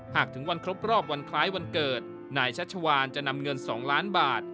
ถึงวันครบรอบวันคล้ายวันเกิดนายชัชวานจะนำเงิน๒ล้านบาท